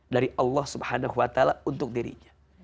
dari allah swt untuk dirinya